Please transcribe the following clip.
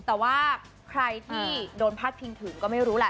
แต่ว่าใครที่โดนพาดพิงถึงก็ไม่รู้แหละ